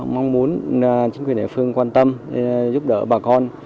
mong muốn chính quyền địa phương quan tâm giúp đỡ bà con